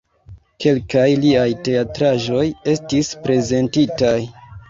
Kelkaj liaj teatraĵoj estis prezentitaj.